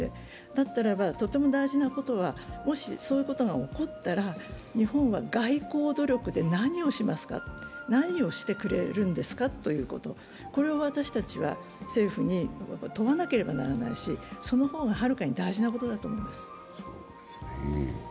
だったらば、とても大事なことは、もし、そういうことが起こったら日本は外交努力で何をしますか、何をしてくれるんですかということ、これを私たちは政府に問わなければならないし、その方がはるかに大事なことだと思います。